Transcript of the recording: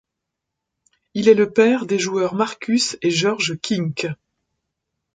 Il est le père des joueurs Marcus et George Kink.